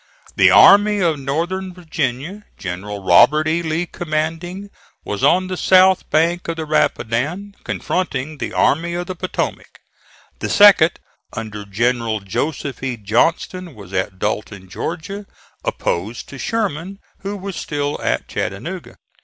The Army of Northern Virginia, General Robert E. Lee commanding, was on the south bank of the Rapidan, confronting the Army of the Potomac; the second, under General Joseph E. Johnston, was at Dalton, Georgia, opposed to Sherman who was still at Chattanooga.